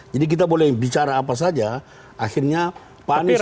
jadi kita boleh bicara apa saja akhirnya pak anies yang